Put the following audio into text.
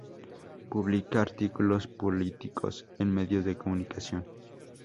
Publica artículos políticos en medios de comunicación.